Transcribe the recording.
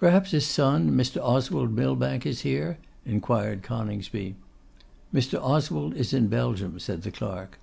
'Perhaps his son, Mr. Oswald Millbank, is here?' inquired Coningsby. 'Mr. Oswald is in Belgium,' said the clerk.